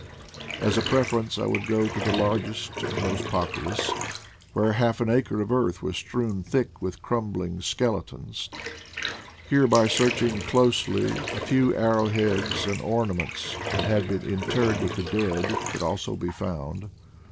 As a preference I would go to the largest and most populous, where half an acre of earth was strewn thick with crumbling skele tons. Here by searching closely a few arrow heads and ornaments, that had been interred with the dead, could also be found.